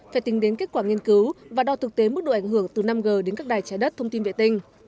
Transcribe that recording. phải tính đến kết quả nghiên cứu và đo thực tế mức độ ảnh hưởng từ năm g đến các đài trái đất thông tin vệ tinh